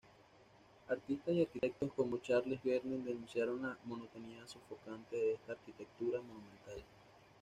Artistas y arquitectos como Charles Garnier denunciaron la monotonía sofocante de esta arquitectura monumental.